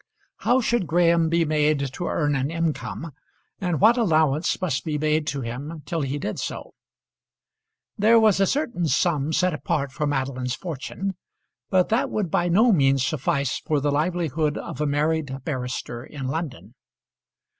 How should Graham be made to earn an income, and what allowance must be made to him till he did so? There was a certain sum set apart for Madeline's fortune, but that would by no means suffice for the livelihood of a married barrister in London.